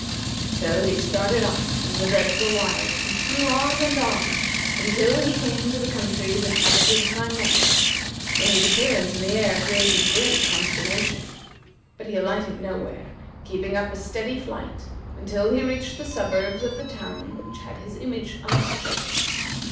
So he started off from the dreadful wilds, and flew on and on until he came to the countries inhabited by men, where his appearance in the air created great consternation; but he alighted nowhere, keeping up a steady flight until he reached the suburbs of the town which had his image on its church.